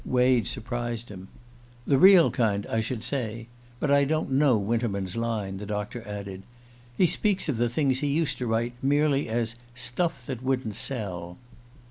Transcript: Wade surprised him. "The real kind, I should say. But I don't know Winterman's line," the doctor added. "He speaks of the things he used to write merely as 'stuff that wouldn't sell.